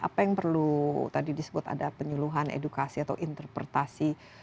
apa yang perlu tadi disebut ada penyuluhan edukasi atau interpretasi